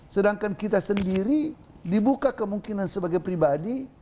sedangkan kita sendiri dibuka kemungkinan sebagai pribadi